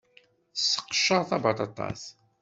Tesseqcer tabaṭaṭat.